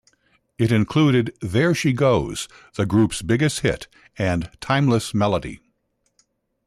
It included "There She Goes," the group's biggest hit, and "Timeless Melody".